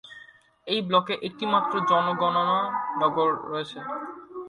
এই ব্লকে একটি মাত্র জনগণনা নগর রয়েছে।